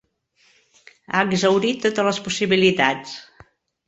Ha exhaurit totes les possibilitats.